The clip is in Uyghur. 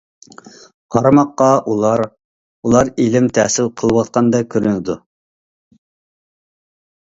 قارىماققا ئۇلار ئۇلار ئىلىم تەھسىل قىلىۋاتقاندەك كۆرۈنىدۇ.